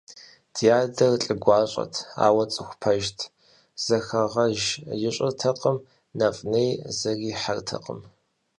Ди адэр лӏы гуащӏэт, ауэ цӏыху пэжт, зэхэгъэж ищӏыртэкъым, нэфӏ-ней зэрихьэртэкъым.